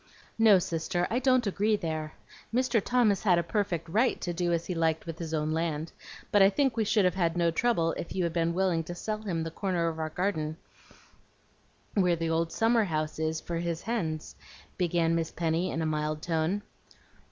"No, sister, I don't agree there. Mr. Thomas had a perfect RIGHT to do as he liked with his own land; but I think we should have had no trouble if you had been willing to sell him the corner of our garden where the old summer house is, for his hens," began Miss Penny in a mild tone.